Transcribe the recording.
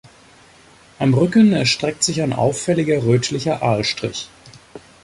Am Rücken erstreckt sich ein auffälliger rötlicher Aalstrich.